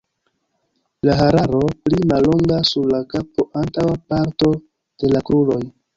La hararo pli mallonga sur la kapo, antaŭa parto de la kruroj.